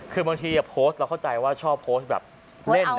คือบางทีโพสต์เราเข้าใจว่าชอบโพสต์แบบเล่น